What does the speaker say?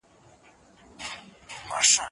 زه پرون اوبه پاکوم